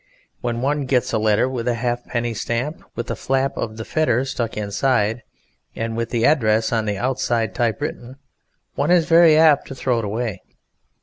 When one gets a letter with a halfpenny stamp and with the flap of the letter stuck inside, and with the address on the outside typewritten, one is very apt to throw it away.